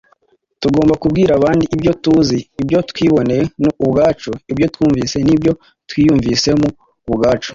tugomba kubwira abandi ibyo tuzi, ibyo twiboneye ubwacu, ibyo twumvise n’ibyo twiyumvisemo ubwacu